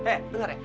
eh denger ya